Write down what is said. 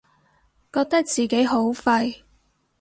覺得自己好廢